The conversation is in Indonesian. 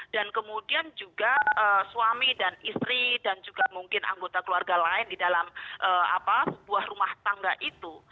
dan kemudian juga suami dan istri dan juga mungkin anggota keluarga lain di dalam sebuah rumah tangga itu